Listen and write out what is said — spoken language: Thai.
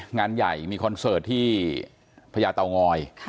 งานใหญ่มีคอนเสิร์ตที่พญาเตางอย